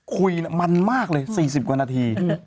คุยมันมากเลย๔๐กว่านาที